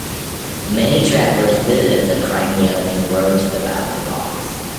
Many travelers visited the Crimea and wrote about the Goths.